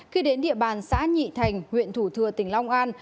khi đến địa bàn xã nhị thành huyện thủ thừa tỉnh long an